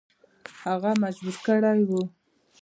هغه مجبور کړی وو.